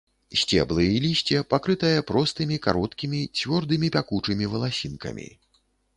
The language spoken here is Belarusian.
Сцеблы і лісце пакрытае простымі, кароткімі, цвёрдымі пякучымі валасінкамі.